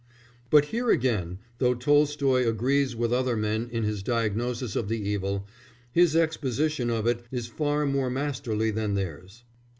But here again, though Tolstoy agrees with other men in his diagnosis of the evil, his exposition of it is far more masterly than theirs.